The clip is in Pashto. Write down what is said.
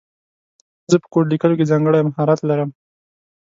زه په کوډ لیکلو کې ځانګړی مهارت لرم